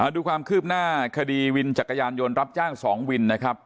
ดูความคืบหน้าคดีวินจักรยานยนต์รับจ้าง๒วินนะครับ